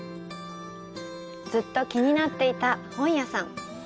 ずっと気になっていた本屋さん。